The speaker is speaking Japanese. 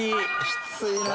きついなあ。